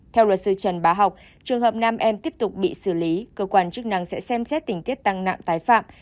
theo luật sư trần bá học trường hợp nam em tiếp tục bị xử lý cơ quan chức năng sẽ xem xét tình tiết tăng nặng tái phạm